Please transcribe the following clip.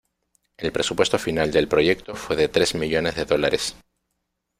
El presupuesto final del proyecto fue de tres millones de dólares.